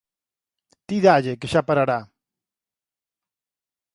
Ti dálle que xa parará!